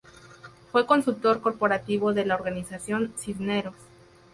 Fue consultor corporativo de la Organización Cisneros.